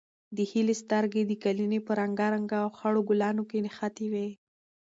د هیلې سترګې د قالینې په رنګارنګ او خړو ګلانو کې نښتې وې.